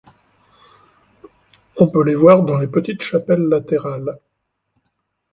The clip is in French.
On peut les voir dans les petites chapelles latérales.